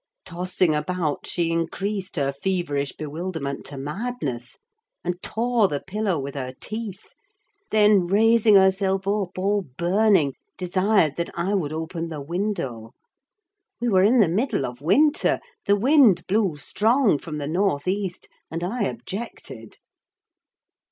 Tossing about, she increased her feverish bewilderment to madness, and tore the pillow with her teeth; then raising herself up all burning, desired that I would open the window. We were in the middle of winter, the wind blew strong from the north east, and I objected.